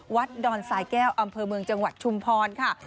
ดอนสายแก้วอำเภอเมืองจังหวัดชุมพรค่ะ